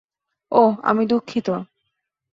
ওহ আমি দুঃখিত।